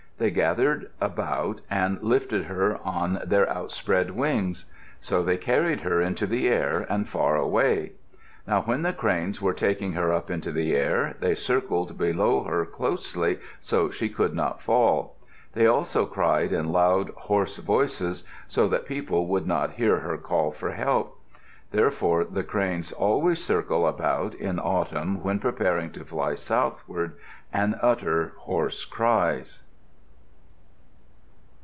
They gathered about and lifted her on their outspread wings. So they carried her into the air and far away. Now when the cranes were taking her up into the air, they circled below her closely so she could not fall. They also cried in loud, hoarse voices so that people could not hear her call for help. Therefore the cranes always circle about in autumn when preparing to fly southward, and utter loud hoarse cries.